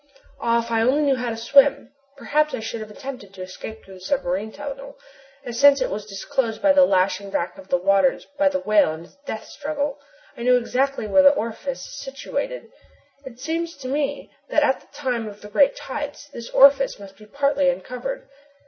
Ah! if I only knew how to swim, perhaps I should have attempted to escape through the submarine tunnel, as since it was disclosed by the lashing back of the waters by the whale in its death struggle, I know exactly where the orifice is situated. It seems to me that at the time of the great tides, this orifice must be partly uncovered.